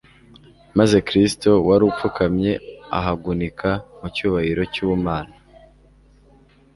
Maze Kristo wari upfukamye ahagunika mu cyubahiro cy'ubumana.